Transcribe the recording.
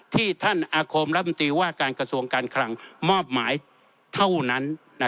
ที่ท่านอาคมรัฐมนตรีว่าการกระทรวงการคลังมอบหมายเท่านั้น